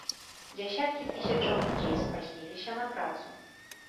Дзясяткі тысячаў людзей спазніліся на працу.